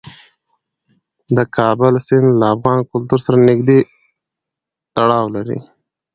د کابل سیند له افغان کلتور سره نږدې تړاو لري.